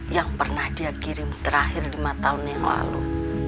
yang pernah dia kirim terakhir lima tahun yang lalu